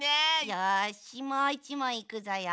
よしもう１もんいくぞよ。